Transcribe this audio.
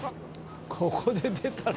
ここで出たら。